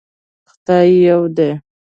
خدای يو دی